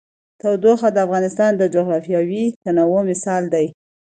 تودوخه د افغانستان د جغرافیوي تنوع مثال دی.